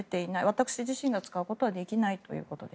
私自身が使うことはできません。